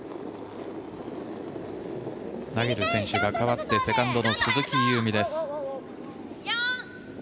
投げる選手が変わってセカンドの鈴木夕湖です。